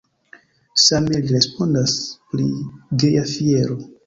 Same li respondas pri Geja Fiero.